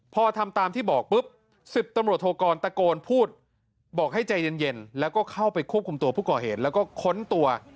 พอทำตามที่บอกปุ๊บ๑๐ตำรวจโทกรตะโกนพูดบอกให้ใจเย็นแล้วก็เข้าไปควบคุมตัวผู้ก่อเหตุแล้วก็ค้นตัว